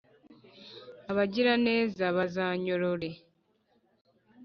abagiraneza bazanyorore.